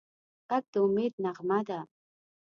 غږ د امید نغمه ده